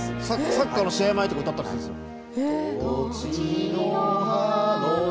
サッカーの試合前とか歌ったりするんですよ。